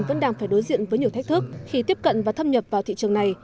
vẫn đang phải đối diện với nhiều thách thức khi tiếp cận và thâm nhập vào thị trường này